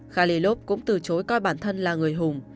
khaledv cũng từ chối coi bản thân là người hùng